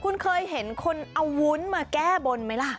คุณเคยเห็นคนเอาวุ้นมาแก้บนไหมล่ะ